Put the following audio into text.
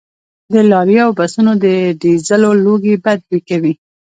د لاریو او بسونو د ډیزلو لوګي بد بوی کوي